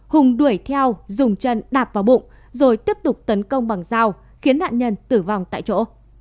hùng đuổi theo dùng chân đạp vào bụng rồi tiếp tục tấn công bằng dao khiến nạn nhân tử vong tại chỗ